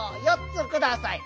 ４つください。